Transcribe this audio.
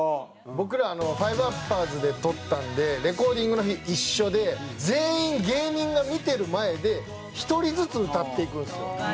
僕ら５ｕｐｐｅｒｓで録ったんでレコーディングの日一緒で全員芸人が見てる前で１人ずつ歌っていくんですよ。